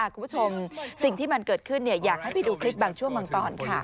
คุณผู้ชมสิ่งที่มันเกิดขึ้นอยากให้ไปดูคลิปบางช่วงบางตอนค่ะ